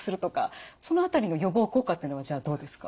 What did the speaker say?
その辺りの予防効果っていうのはどうですか？